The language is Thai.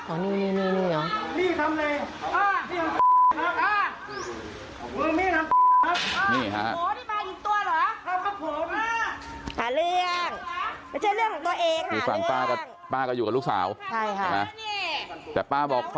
โอ้โห